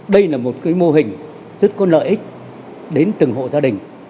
đây là một mô hình rất có lợi ích đến từng hộ gia đình